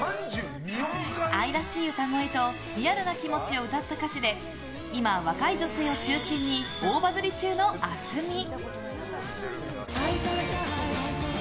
愛らしい歌声とリアルな気持ちを歌った歌詞で今、若い女性を中心に大バズり中のａｓｍｉ！